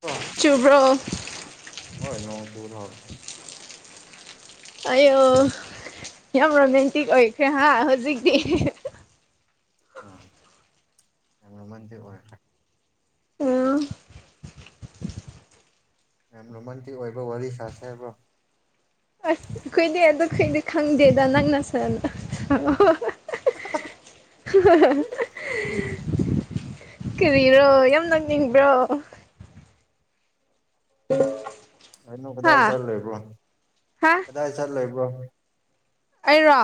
ꯍꯣꯏ ꯆꯨꯕ꯭ꯔꯣ ꯅꯣꯡ ꯆꯨꯔꯍꯧꯔꯦ ꯑꯌꯣ ꯌꯥꯝ ꯔꯣꯃꯦꯟꯇꯤꯛ ꯑꯣꯏꯈ꯭ꯔꯦ ꯍꯥ ꯍꯧꯖꯤꯛꯇꯤ ꯑ ꯌꯥꯝꯅ ꯃꯟꯗꯤ ꯑꯣꯏ ꯎꯝ ꯌꯥꯝ ꯔꯣꯃꯟꯇꯤ ꯑꯣꯏꯕ꯭ꯔ ꯋꯥꯔꯤ ꯁꯥꯁꯦ ꯍꯥꯏꯕ꯭ꯔꯣ ꯑꯁ ꯀꯨꯏꯗꯦ ꯑꯗꯨ ꯀꯨꯏꯗꯦ ꯈꯪꯗꯦꯗ ꯅꯪ ꯅ ꯁꯥꯔꯅ ꯑ ꯀꯔꯤꯔꯣ ꯌꯥꯝ ꯅꯪꯅꯤꯡꯕ꯭ꯔꯣ ꯍ ꯑꯩꯅꯣ ꯀꯗꯥꯏ ꯆꯠꯂꯣꯏꯕ꯭ꯔꯣ ꯍꯥ ꯀꯗꯥꯏ ꯆꯠ ꯂꯩꯣꯏꯕ꯭ꯔꯣ ꯑꯩꯔꯣ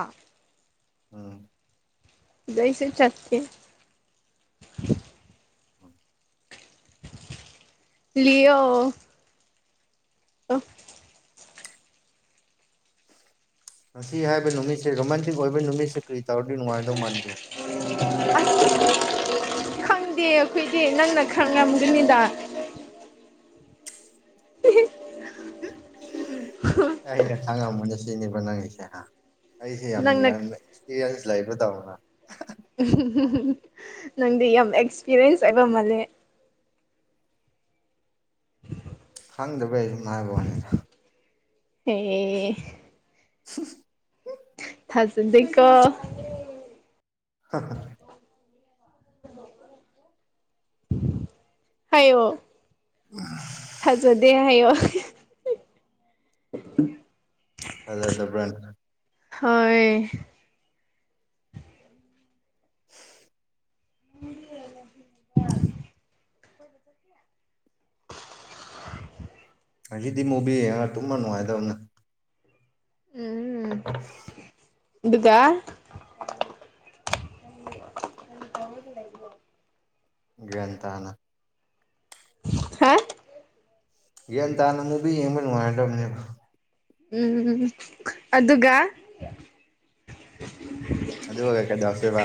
ꯎꯝ ꯏꯁꯦ ꯆꯠꯦ ꯂꯑꯣ ꯑ ꯉꯁꯤ ꯍꯥꯏꯕ ꯅꯨꯃꯤꯠꯁꯦ ꯔꯣꯃꯥꯟꯇꯤꯛ ꯑꯣꯏꯕ ꯅꯨꯃꯤꯠꯁꯤꯦ ꯀꯔꯤ ꯇꯧꯔꯗꯤ ꯅꯨꯡꯉꯥꯏꯗꯧ ꯃꯥꯟꯥꯟꯕꯒꯦ ꯑ ꯈꯪꯗꯦ ꯑꯩꯈꯣꯏꯗꯤ ꯅꯪꯅ ꯈꯪꯉꯝꯗꯅꯤꯗ [unintelligible] ꯑꯩꯅ ꯈꯥꯡꯉꯝ ꯃꯅꯦ ꯁꯤꯅꯤꯕ ꯅꯪꯁꯦ ꯍꯥ ꯑꯩꯁꯦ ꯌꯥꯝ ꯅꯪꯅ ꯌꯥꯝꯅ ꯑꯦꯛꯁꯄꯤꯔꯤꯌꯦꯟꯁ ꯂꯩꯕ ꯇꯧꯅ ꯅꯪꯗꯤ ꯌꯥꯝ ꯑꯦꯛꯁꯄꯤꯔꯤꯌꯦꯟꯁ ꯑꯣꯏꯕ ꯃꯥꯜꯂꯦ ꯈꯪꯗꯕꯩ ꯁꯨꯝ ꯍꯥꯏꯕ ꯋꯥꯅꯤꯗ ꯍ ꯎ ꯊꯖꯗꯀꯣ ꯍ ꯍꯣ ꯍꯥꯏꯌꯣ ꯊꯖꯗꯦ ꯍꯥꯏꯌꯣ [unintelligible] ꯑꯗ ꯑꯗꯨ ꯑꯗꯨꯣ ꯕ꯭ꯔ ꯍꯣꯏ [unintelligible] [unintelligible] ꯍꯧꯗꯤ ꯃꯨꯕꯤ ꯇꯨꯝꯃ ꯅꯨꯡꯉꯥꯏꯗꯕꯅꯦ ꯎꯝ ꯑ ꯎꯗ ꯇꯅ ꯍꯥ ꯒ꯭ꯟ ꯇꯥꯅ ꯃꯨꯕꯤ ꯌꯦꯡꯕ ꯅꯨꯡꯉꯥꯏꯗꯕꯅꯦꯕ ꯎꯝ ꯎꯝ ꯑꯗꯨꯒ ꯑꯗꯨ ꯍꯦ ꯀ ꯁꯦꯕ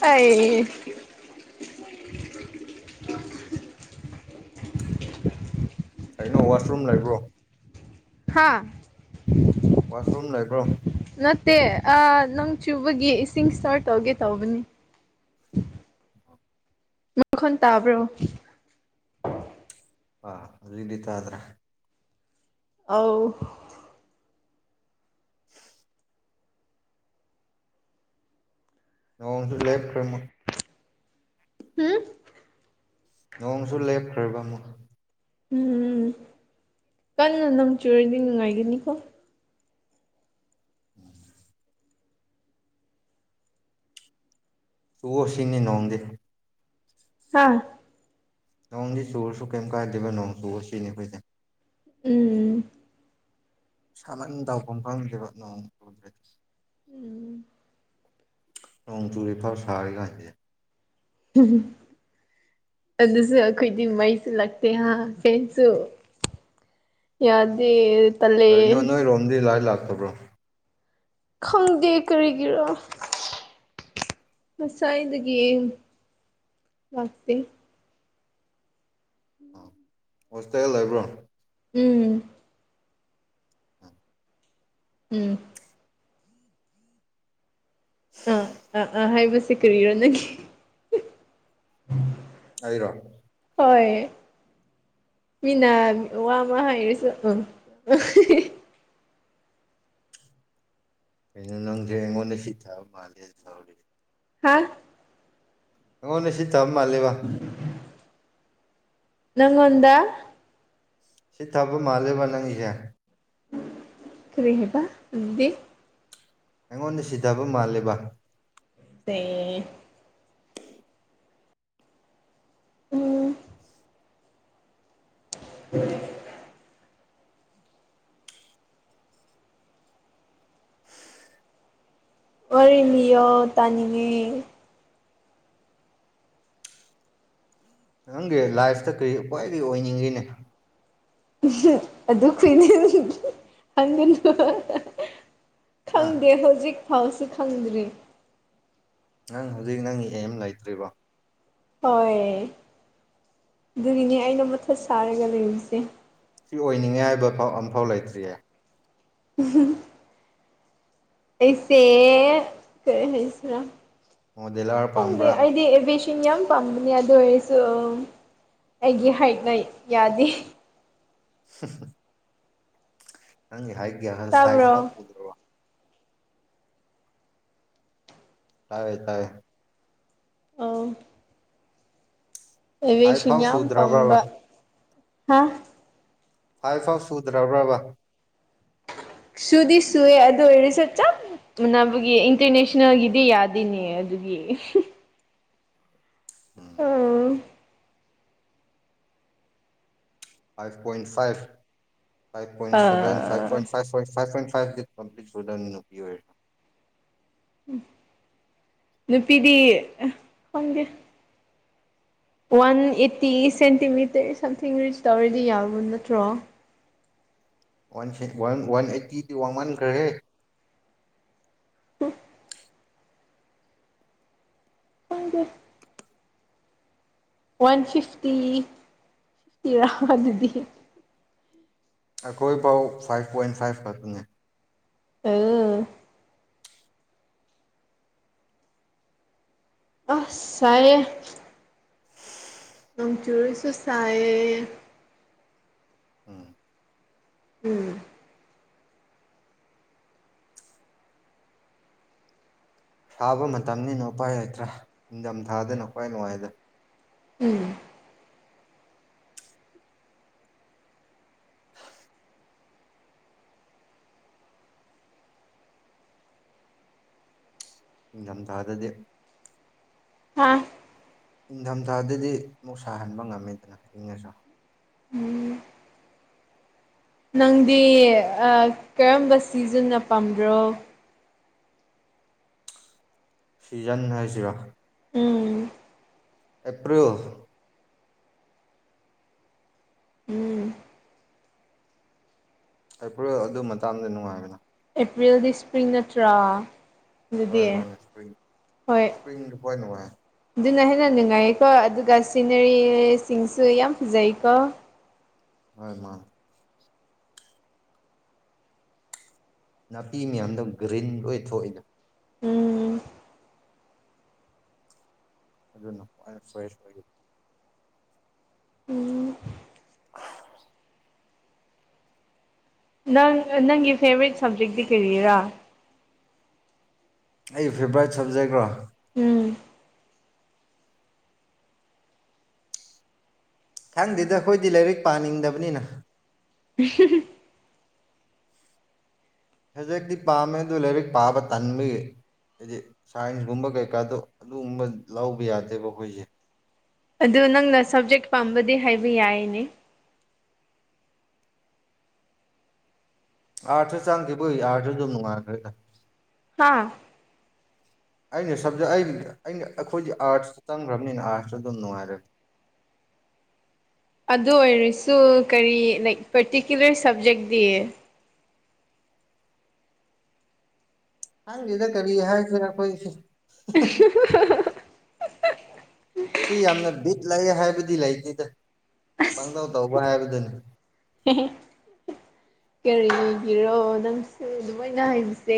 ꯑꯩ ꯀꯩꯅꯣ ꯋꯥꯁꯔꯨꯝ ꯂꯩꯕ꯭ꯔꯣ ꯍꯥꯥ ꯋꯥꯁꯔꯨꯝ ꯂꯩꯥꯏꯀ꯭ꯔꯣ ꯅꯠꯇꯦ ꯅꯪ ꯆꯨꯕꯒꯤ ꯏꯁꯤꯡ ꯏꯁꯇꯥꯔꯠ ꯇꯧꯒꯦ ꯇꯧꯕꯅꯤ ꯃꯈꯈꯣꯟ ꯇꯥꯕ꯭ꯔꯣ ꯑ ꯑꯗꯨ ꯏꯗꯤꯇ꯭ꯔ ꯑꯥꯎ ꯅꯣꯡꯁꯨ ꯂꯦꯞꯈ꯭ꯔꯦꯃ ꯎꯝ ꯅꯣꯡꯁꯨ ꯂꯦꯞꯈ꯭ꯔꯕ ꯑꯃ ꯎꯝ ꯀꯟꯅ ꯅꯝ ꯆꯨꯔꯗꯤ ꯅꯨꯡꯉꯥꯏꯒꯅꯤꯀꯣ ꯎꯝ ꯆꯨꯑꯣ ꯁꯤꯅꯤ ꯅꯣꯡꯗꯤ ꯍꯥꯥ ꯅꯣꯡꯗꯤ ꯆꯨꯔꯁꯨ ꯀꯩꯝ ꯀꯥꯏꯗꯦꯕ ꯅꯣꯡ ꯆꯨꯔ ꯁꯤꯅꯤ ꯑꯩꯈꯣꯏꯁꯦ ꯎꯝ ꯁꯥꯃꯟ ꯇꯥꯎꯐꯝ ꯈꯪꯗ꯭ꯔꯤꯕ ꯅꯣꯡ ꯎꯗ꯭ꯔꯦ ꯅꯣꯡ ꯆꯨꯔꯤꯦꯐꯥꯎ ꯁꯥꯔꯤꯒꯁꯦ ꯎꯝ ꯑꯗꯨꯁꯨ ꯑꯩꯈꯣꯏꯗꯤ ꯃꯩꯁꯨ ꯂꯛꯇꯦ ꯍꯥ ꯀꯩꯅꯁꯨ ꯌꯥꯗꯦ ꯇꯜꯂꯦ ꯀꯅꯣ ꯅꯣꯏꯔꯣꯝꯗꯤ ꯂꯥꯏ ꯂꯥꯛꯇꯕ꯭ꯔꯣ ꯈꯪꯗꯦ ꯀꯔꯤꯒꯤꯔꯣ ꯍꯁ ꯏꯗꯒꯤ ꯂꯁꯦ ꯑ ꯍꯁꯥꯏꯕ꯭ꯔꯣ ꯎꯝ ꯎꯝ ꯑꯥ ꯑꯥ ꯑꯥ ꯍꯥꯏꯕꯁꯦ ꯀꯏꯔꯣ ꯅ ꯍꯥꯏꯔꯣ ꯍꯣꯏ ꯃꯤꯅꯥ ꯋꯥ ꯑꯃ ꯍꯥꯏꯔꯁꯨ ꯎ ꯑꯩꯅ ꯅꯪꯁꯦ ꯑꯩꯉꯣꯟꯗ ꯁꯤ ꯊꯕ ꯃꯥꯜꯂꯦ ꯊꯧꯔꯤ ꯍꯥꯥ ꯑꯩꯉꯣꯟꯗ ꯁꯤ ꯇꯕ ꯃꯥꯜꯜꯂꯤꯕ ꯅꯪꯈꯣꯟꯗ ꯁꯤ ꯊꯕ ꯃꯥꯂꯦꯕ ꯅꯉꯒꯦ ꯀꯔꯤ ꯍꯕ ꯑꯗꯨꯗꯤ ꯑꯩꯉꯣꯟꯗ ꯁꯤꯊꯕ ꯃꯥꯜꯂꯦꯕ ꯑ ꯎꯝ [unintelligible] ꯑꯣꯏꯅꯤꯌꯣ ꯇꯥꯅꯤꯡꯉꯤ ꯅꯪꯒꯤ ꯂꯥꯏꯐꯇ ꯀꯔꯤ ꯎꯄ꯭ꯥꯏꯗꯒꯤ ꯑꯣꯏꯅꯤꯡꯉꯅꯦ ꯈꯅꯦ ꯍꯥ ꯈꯪꯗꯦ ꯍꯧꯖꯤꯛ ꯐꯥꯎꯁꯤ ꯈꯪꯗ꯭ꯔꯤ ꯅꯪ ꯍꯧꯖꯤꯛ ꯅꯪꯒꯤ ꯑꯦꯝ ꯂꯩꯇ꯭ꯔꯤꯕꯣ ꯍꯣꯏ ꯑꯗꯨꯒꯤꯅꯦ ꯑꯩꯅ ꯃꯊꯠ ꯁꯥꯔꯒ ꯂꯩꯕꯁꯦ ꯁꯤ ꯑꯣꯏꯅꯤꯡꯉꯦ ꯍꯥꯏꯕ ꯑꯝꯐꯥꯎ ꯂꯩꯇ꯭ꯔꯤꯌꯦ ꯎꯝ ꯑꯩꯁꯦ ꯀ ꯍꯥꯏꯁꯔ ꯃꯣꯗꯦꯂꯥꯔ ꯄꯥꯝꯕ꯭ꯔꯥ ꯆꯤꯡ ꯌꯥꯝ ꯄꯥꯝꯕꯅꯦ ꯑꯗꯨ ꯑꯣꯏꯔꯁꯨ ꯑꯩꯒꯤ ꯍꯥꯏꯠꯅ ꯌꯥꯗꯦ [unintelligible] ꯅꯪꯒꯤ ꯍꯥꯏꯒ ꯁꯥꯏ ꯐ ꯇꯥꯕ꯭ꯔꯣ ꯍꯗ꯭ꯔꯣ ꯇꯥꯋꯦ ꯇꯋꯦ ꯑ ꯐꯥꯏꯚ ꯑꯦꯕꯁꯤ ꯐꯥꯎ ꯁꯨꯗ꯭ꯔꯕ꯭ꯔꯕ ꯄꯝꯕ ꯍꯥ ꯐꯥꯎ ꯐꯥꯎ ꯁꯨꯗ꯭ꯔꯕ꯭ꯔꯕ ꯁꯨꯗꯤ ꯁꯨꯋꯦ ꯑꯗꯨ ꯑꯣꯏꯁꯆꯥ ꯅꯕꯒꯤ ꯏꯟꯇꯔ ꯅꯁꯅꯜꯗꯦ ꯌꯥꯗꯅꯦꯅꯤ ꯑꯗꯨꯒꯤ ꯎꯝ [unintelligible] ꯐꯥꯞ ꯄꯣꯟ ꯐꯥꯞ ꯑꯥ ꯥꯏꯠ ꯀꯝꯄ꯭ꯂꯤꯠ ꯆꯨꯗꯥꯅꯤ ꯅꯄꯤ ꯑꯣꯏꯔ ꯅꯨꯄꯤꯗꯤ ꯑ ꯍꯗ ꯋꯥꯟ ꯑꯦꯠꯇꯤ ꯁꯦꯟꯇꯤꯃꯤꯇꯔ ꯁꯝꯊꯤꯡ ꯔꯤꯁ ꯇꯧꯔꯗꯤ ꯌꯥꯔ ꯅꯠꯇ꯭ꯔꯣ ꯋꯥꯟ ꯋꯥꯟ ꯋꯥꯟ ꯑꯩꯠꯇꯤꯗꯨ ꯋꯥ ꯋꯥꯟꯈ꯭ꯔꯦ ꯈꯪꯗꯦ ꯋꯥꯟ ꯐꯤꯐꯇꯤ ꯐꯇꯤ ꯑꯗꯨꯗꯤ ꯑꯩꯈꯣꯏ ꯄꯥꯎ ꯐꯥꯏꯚ ꯄꯣꯏꯟ ꯐꯥꯏꯚ ꯈꯛꯇꯅꯦ ꯑ ꯑꯁꯥꯏꯌꯦ ꯅꯣꯡꯆ ꯁꯣꯁꯥꯏ ꯎꯝ ꯎꯝ ꯊꯥꯕ ꯃꯇꯝꯅꯤꯅ ꯎꯄꯥꯥꯏ ꯂꯩꯇ꯭ꯔꯥ ꯅꯤꯡꯊꯝꯊꯥꯗꯅ ꯍ꯭ꯋꯥꯏ ꯅꯨꯡꯉꯥꯏꯗ ꯎꯝ ꯅꯤꯡꯊꯝ ꯊꯥꯗꯗꯦ ꯑꯥ ꯏꯪꯊꯝꯊꯥꯗꯗꯤ ꯑꯃꯨꯛ ꯁꯥꯍꯟꯕ ꯉꯝꯃꯦꯗꯅ ꯍꯪꯉꯁꯨ ꯅꯪꯗꯤ ꯀꯔꯝꯕ ꯁꯤꯖꯤꯟꯅ ꯄꯥꯝꯕ꯭ꯔꯣ ꯁꯤꯖꯟ ꯍꯥꯏꯁꯤꯔ ꯎꯝ ꯑꯦꯄꯔꯤꯟ ꯎꯝ ꯑꯩ꯭ꯔ ꯑꯗꯨ ꯃꯇꯥꯡꯗ ꯅꯨꯡꯉꯥꯏꯕꯗ ꯑꯦꯄ꯭ꯔꯤꯜꯗꯤ ꯏꯁ꯭ꯄ꯭ꯔꯤꯡ ꯅꯠꯇ꯭ꯔꯥ ꯑꯗꯨꯗꯤ ꯍꯣꯏ ꯃꯥꯅꯦ ꯏꯁꯄ꯭ꯔꯤꯡ ꯍꯣꯏ ꯏꯁꯄ꯭ꯔꯤꯡꯗ ꯈꯋꯥꯏ ꯅꯨꯡꯉꯥꯏ ꯑꯗꯨꯅ ꯍꯦꯟꯅ ꯅꯨꯡꯉꯥꯏꯌꯦꯀꯣ ꯑꯗꯨꯒ ꯁꯤꯅꯔꯤꯁꯤꯡꯁꯨ ꯌꯥꯝ ꯐꯖꯩꯀꯣ ꯍꯣꯏ ꯃꯥꯅ‌ ꯅꯥꯄꯤ ꯃꯌꯥꯝꯗꯣ ꯒ꯭ꯔꯤꯟ ꯂꯣꯏ ꯊꯣꯛꯏꯗ‌ꯣ ꯎꯝ ꯑꯗꯨꯅ ꯈꯋꯥꯏ ꯁꯣꯏ ꯁꯣꯏꯔꯤ [unintelligible] ꯅꯪ ꯅꯪꯒꯤ ꯐꯦꯕꯔꯦꯠ ꯁꯞꯖꯦꯛꯇꯤ ꯀꯔꯤꯔꯥ ꯑꯩ ꯐꯦꯚꯣꯔꯥꯏꯠ ꯁꯕꯖꯦꯛꯔꯣ ꯎꯝ ꯈꯪꯗ‌ꯦꯗ ꯑꯩꯈꯣꯏꯗꯤ ꯂꯥꯏꯔꯤꯛ ꯄꯥꯅꯤꯡꯗꯕꯅꯤꯅ [unintelligible] ꯍꯧꯖꯤꯛꯇꯤ ꯄꯥꯝꯃꯦ ꯑꯗꯨ ꯂꯥꯏꯔꯤꯛ ꯄꯥꯕ ꯇꯟꯕꯒꯤ ꯍꯥꯏꯗꯤ ꯁꯥꯏꯟꯁꯀꯨꯝꯕ ꯀꯩꯀꯥꯗꯣ ꯑꯗꯨꯒꯨꯝꯕ ꯂꯧꯕ ꯌꯥꯗꯦꯕ ꯑꯩꯈꯣꯏꯁꯦ ꯑꯗꯨ ꯅꯪꯅ ꯁꯕꯖꯦꯛ ꯄꯥꯝꯕꯗꯤ ꯍꯥꯏꯕ ꯌꯥꯏꯅꯦ ꯑꯥꯔꯊ ꯆꯥꯡꯒꯤꯗꯨ ꯌꯥꯗꯔꯗꯤ ꯅꯨꯡꯉꯥꯏꯔ‌ꯣꯏꯗ ꯍꯥꯥ [unintelligible] ꯑꯩꯅ ꯁꯨꯝꯗ ꯑꯩ ꯑꯩꯅ ꯑꯩꯈꯣꯏꯗꯤ ꯑꯥꯔꯊꯁꯇ ꯆꯪꯈ꯭ꯔꯕꯅꯤꯅ ꯑꯥꯔꯠꯁꯇ ꯑꯗꯨꯝ ꯅꯨꯡꯉꯥꯏꯔꯦ [unintelligible] ꯑꯗꯨ ꯑꯣꯏꯔꯁꯨ ꯀꯔꯤ ꯂꯥꯏꯛ ꯄꯥꯔꯇꯤꯀꯨꯂꯔ ꯁꯕꯖꯦꯛꯇꯤ ꯈꯪꯗ‌ꯦꯗ ꯀꯔꯤ ꯍꯥꯏꯗꯨꯏꯅ‌ꯣ ꯑꯈ‌ꯣꯏꯁ‌ꯦ [unintelligible] ꯁꯤ ꯌꯥꯝꯅ ꯕꯤꯠ ꯂꯩ ꯍꯥꯏꯕꯗꯤ ꯂꯩꯇꯦꯗ ꯑꯁ ꯄꯪꯇꯧ ꯇꯧꯕ ꯍꯥꯏꯕꯗꯨꯅꯤ [unintelligible] ꯀꯔꯤꯒꯤꯔꯣ ꯅꯪꯁꯨ ꯑꯗꯨꯃꯥꯏꯅ ꯍꯥꯏꯕꯁꯦ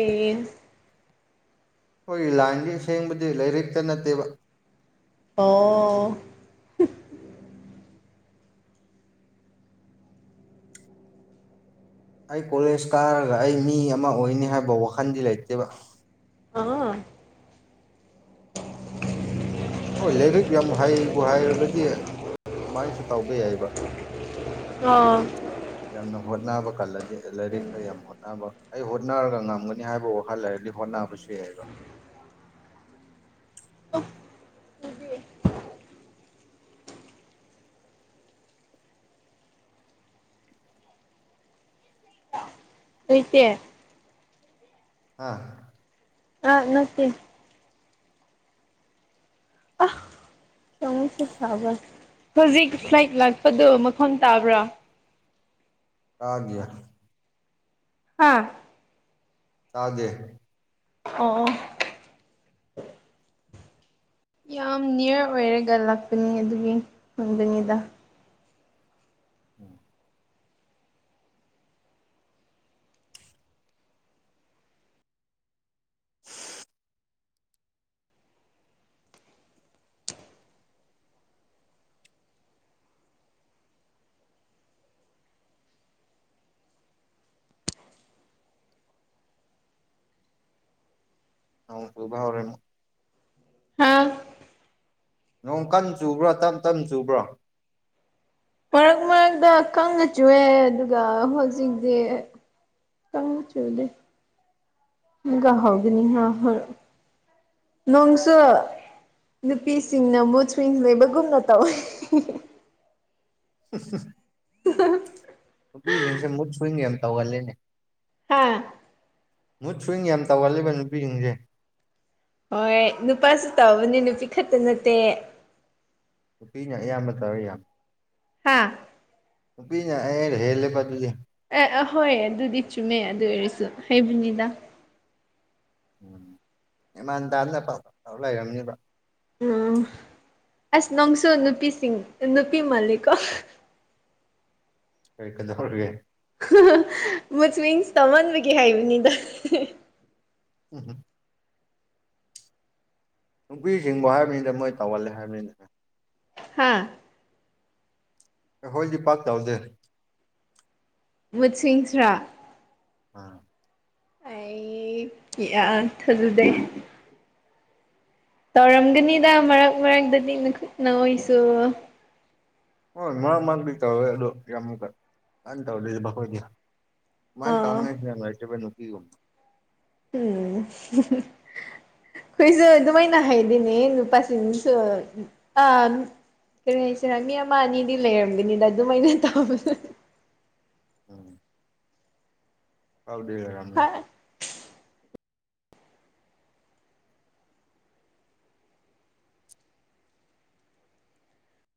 ꯑꯩꯈꯣꯏꯒꯤ ꯂꯥꯏꯟꯗꯤ ꯁꯦꯡꯕꯗꯤ ꯂꯥꯏꯔꯤꯛꯇ ꯅꯠꯇꯦꯕ ꯑꯣ ꯑꯩ ꯀꯣꯂꯦꯖ ꯀꯥꯔꯒ ꯑꯩ ꯃꯤ ꯑꯃ ꯑꯣꯏꯅꯤ ꯍꯥꯏꯕ ꯋꯥꯈꯟꯗꯤ ꯂꯩꯇꯦꯕ ꯑꯥ ꯍꯣꯏ ꯂꯥꯏꯔꯤꯛ ꯌꯥꯝ ꯍꯩꯕꯨ ꯍꯥꯏꯔꯒꯗꯤ ꯑꯗꯨꯃꯥꯏꯅꯁꯨ ꯇꯧꯕ ꯌꯥꯏꯕ ꯑꯣ ꯌꯥꯝꯅ ꯍꯣꯠꯅꯕ ꯀꯜꯂꯗꯤ ꯂꯥꯏꯔꯤꯛꯇ ꯌꯥꯝ ꯍꯣꯠꯅꯕ ꯑꯩ ꯍꯣꯠꯅꯔꯒ ꯉꯝꯒꯅꯤ ꯍꯥꯏꯕ ꯋꯥꯈꯜ ꯂꯩꯔꯗꯤ ꯍꯣꯠꯅꯕꯁꯨ ꯌꯥꯏꯕ ꯑ ꯍ‌ꯣꯏꯁꯦ ꯍꯥ ꯑꯥ ꯅꯠꯇꯦ ꯑ [unintelligible] ꯁꯥꯕꯔ ꯍꯧꯖꯤꯛ ꯐ꯭ꯂꯥꯏꯠ ꯂꯥꯛꯄꯗꯣ ꯃꯈ‌ꯣꯟ ꯇꯥꯕ꯭ꯔꯥ ꯇꯥꯗꯤꯌ‌ꯦ ꯍꯥꯥ ꯇꯥꯗ‌ꯦ ꯑꯣ ꯌꯥꯝ ꯅꯤꯌꯔ ꯑꯣꯏꯔꯒ ꯂꯥꯛꯄꯅꯤ ꯑꯗꯨꯒꯤ ꯈꯟꯕꯅꯤꯗ ꯎꯝ [inaudible] ꯑꯃ ꯎꯏꯕ ꯍꯧꯔꯅꯤ ꯍꯥꯥ ꯅꯣꯡ ꯀꯟ ꯆꯨꯕ꯭ꯔꯥ ꯇꯞ ꯇꯞ ꯆꯨꯕ꯭ꯔꯥ ꯃꯔꯛ ꯃꯔꯛꯇ ꯈꯪꯅ ꯆꯨꯑꯦ ꯑꯗꯨꯒ ꯍꯧꯖꯤꯛꯗꯤ ꯆꯪ ꯆ ꯂꯩ ꯃꯒ ꯍꯒꯅꯤ ꯍꯥ ꯍ ꯅꯣꯡꯁꯨ ꯅꯨꯄꯤꯁꯤꯡꯅ ꯃꯨꯊꯁꯤꯡ ꯂꯩꯕꯒꯨꯝꯅ ꯇꯧꯋꯦ [unintelligible] [unintelligible] ꯍꯣꯏꯅꯦ ꯇꯧꯒꯜꯂꯦꯅꯦ ꯍꯥꯥ ꯃꯨꯠ ꯁꯨꯋꯤꯡ ꯌꯥꯝ ꯇꯧꯍꯜꯂꯤꯕ ꯅꯨꯄꯤꯁꯤꯡꯁꯦ ꯍꯣꯏ ꯅꯨꯄꯥꯁꯨ ꯇꯧꯕꯅꯦ ꯅꯨꯄꯤ ꯈꯛꯇ ꯅꯠꯇꯦ ꯅꯨꯄꯤꯅ ꯑꯌꯥꯝꯕ ꯇꯧꯔ ꯌꯥꯝ ꯍꯥꯥ ꯄꯤ ꯅ ꯑꯦ ꯍꯦꯂꯦ ꯄꯗꯨꯗꯤ ꯑꯦ ꯑꯍꯣꯏ ꯑꯗꯨꯗꯤ ꯆꯨꯝꯃꯦ ꯑꯗꯨ ꯑꯣꯏꯔꯁꯨ ꯍꯩꯕꯨꯅꯤꯗ ꯎꯝ ꯏꯃꯥꯟ ꯇꯗ ꯂꯩꯔꯝꯅꯤꯕ ꯎꯝ ꯑꯁ ꯅꯣꯡꯁꯨ ꯅꯨꯄꯤꯁꯤꯡ ꯅꯨꯄꯤ ꯃꯥꯜꯂꯤꯀꯣ ꯀꯩ ꯀꯗꯔꯒꯦ ꯃꯨꯁꯃꯤꯟꯁ ꯇꯝꯍꯟꯕꯒꯤꯦ ꯍꯥꯏꯕꯅꯤꯗ ꯎꯝꯝ ꯅꯨꯄꯤꯁꯤꯡꯕꯨ ꯍꯥꯏꯕꯅꯤꯅ ꯃꯣꯏ ꯇꯧꯒꯜꯂꯦ ꯍꯥꯏꯕꯅꯤꯅ ꯍꯥꯥ ꯍꯣꯏꯗꯤ ꯄꯥꯛ ꯆꯧꯗꯦ ꯁꯤꯡꯁ꯭ꯔꯥ [unintelligible] ꯑꯩ ꯊꯖꯗꯦ ꯇꯧꯔꯝꯒꯅꯤꯗ ꯃꯔꯛ ꯃꯔꯛꯇꯗꯤ ꯃꯈꯠ ꯅꯣꯏꯁꯨ ꯍꯣꯏ ꯃꯔꯛ ꯃꯔꯥꯡꯗꯤ ꯇꯧꯋꯦ ꯑꯗꯣ ꯌꯥꯝꯀ ꯀꯅ ꯇꯧꯗꯦꯣꯏ ꯃꯥꯏ ꯑꯥ ꯇꯥꯎꯅꯕ ꯎꯝ ꯑꯩꯈꯣꯏꯁꯨ ꯑꯗꯨꯃꯥꯏꯅ ꯍꯥꯏꯗꯤꯅꯦ ꯅꯨꯄꯥꯁꯤꯡꯁꯨ ꯑ ꯀꯔꯤ ꯍꯥꯏꯁꯤꯔꯥ ꯃꯤ ꯑꯃ ꯑꯅꯤꯗꯤ ꯂꯩꯔꯝꯒꯅꯤꯗ ꯑꯗꯨꯃꯥꯏꯅ ꯇꯧꯕ ꯎꯝ ꯐꯥꯎꯗ ꯑꯔꯝꯅ